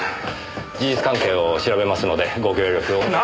事実関係を調べますのでご協力を。